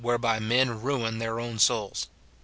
207 whereby men ruin theii' own souls.